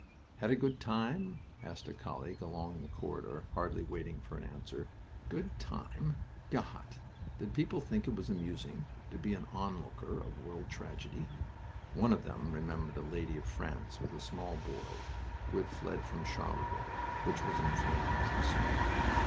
"Had a good time?" asked a colleague along the corridor, hardly waiting for an answer. "A good time!"... God!... Did people think it was amusing to be an onlooker of world tragedy?... One of them remembered a lady of France with a small boy who had fled from Charleville, which was in flames and smoke.